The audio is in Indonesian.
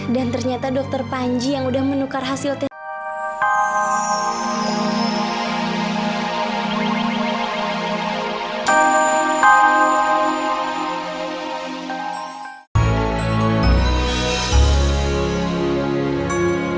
dan ternyata dokter panji yang udah menukar hasil tes